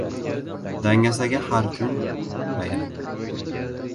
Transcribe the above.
• Dangasaga har kun — bayram.